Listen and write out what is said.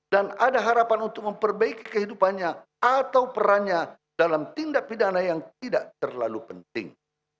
dan ada harapan untuk memperbaiki kehidupannya atau perannya dalam tindak pidana yang tidak terlalu penting